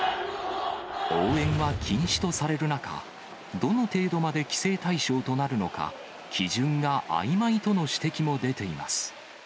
応援は禁止とされる中、どの程度まで規制対象となるのか、基準があいまいとの指摘も出ています。